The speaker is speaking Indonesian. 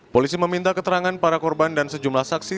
polisi meminta keterangan para korban dan sejumlah saksi